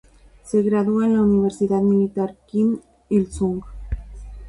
Se graduó en la Universidad Militar Kim Il-sung.